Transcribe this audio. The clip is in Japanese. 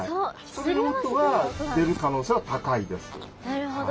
なるほど。